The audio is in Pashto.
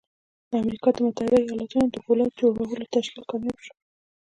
د امريکا د متحده ايالتونو د پولاد جوړولو تشکيل کامياب شو.